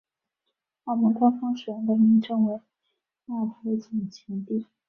澳门官方使用的名称为亚婆井前地。